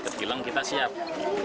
terbilang kita siap